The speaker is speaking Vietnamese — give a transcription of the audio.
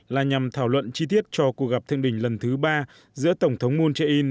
là nhằm thảo luận chi tiết cho cuộc gặp thượng đỉnh lần thứ ba giữa tổng thống moon jae in